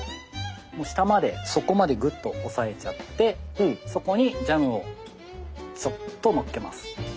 下まで底までグッと押さえちゃってそこにジャムをちょっとのっけます。